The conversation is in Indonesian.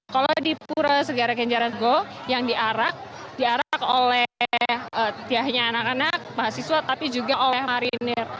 kalau di pura segara kenjeran go yang diarak diarak oleh tiahnya anak anak mahasiswa tapi juga oleh marinir